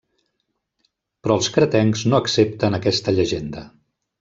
Però els cretencs no accepten aquesta llegenda.